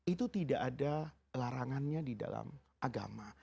itu tidak ada larangannya di dalam agama